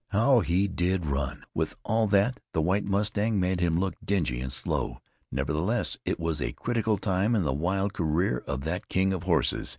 How he did run! With all that, the White Mustang made him look dingy and slow. Nevertheless, it was a critical time in the wild career of that king of horses.